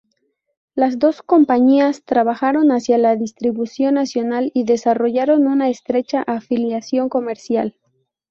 Las dos compañías trabajaron hacia la distribución nacional y desarrollaron una estrecha afiliación comercial.